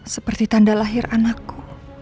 seperti tanda lahir anakku